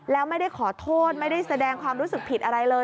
แล้วไม่ได้ขอโทษไม่ได้แสดงความรู้สึกผิดอะไรเลย